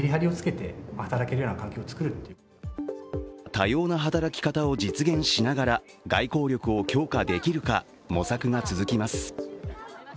多様な働き方を実現しながら外交力を強化できるか模索が続きます。